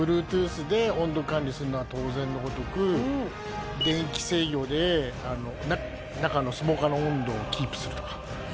Ｂｌｕｅｔｏｏｔｈで温度管理するのは当然のごとく電気制御で中のスモーカーの温度をキープするとか。